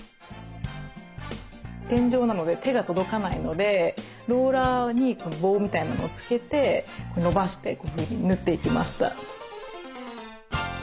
天井なので手が届かないのでローラーに棒みたいなのをつけて伸ばして塗っていきました。